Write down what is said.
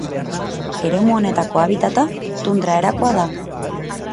Eremu honetako habitata tundra erakoa da.